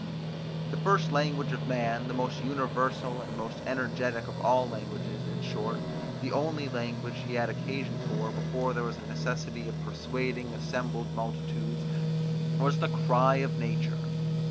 The first language of man, the most universal and most energetic of all languages, in short, the only language he had occasion for, before there was a necessity of persuading assembled multitudes, was the cry of nature.